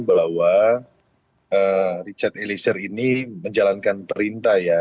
belahua richard elisir ini menjalankan perintah ya